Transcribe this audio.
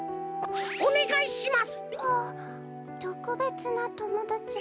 とくべつなともだち。